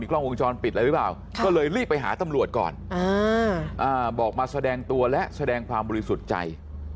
กล้องวงจรปิดอะไรหรือเปล่าก็เลยรีบไปหาตำรวจก่อนบอกมาแสดงตัวและแสดงความบริสุทธิ์ใจ